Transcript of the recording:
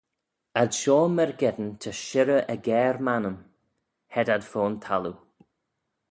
Ad shoh myrgeddin ta shirrey aggair m'annym: hed ad fo'n thalloo.